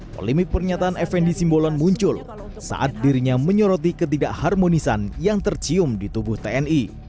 polemik pernyataan fnd simbolon muncul saat dirinya menyoroti ketidakharmonisan yang tercium di tubuh tni